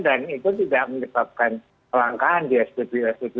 dan itu tidak menyebabkan kelangkaan di sdb sdb